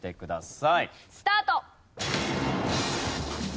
スタート！